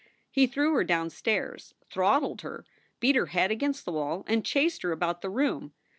He threw her down stairs, throttled her, beat her head against the wall, and chased her about the room.